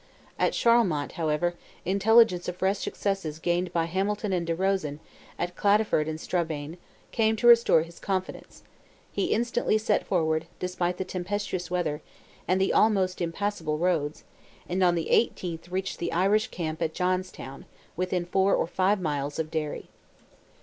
At Charlemont, however, intelligence of fresh successes gained by Hamilton and De Rosen, at Cladyford and Strabane, came to restore his confidence; he instantly set forward, despite the tempestuous weather, and the almost impassable roads, and on the eighteenth reached the Irish camp at Johnstown, within four or five miles of Derry.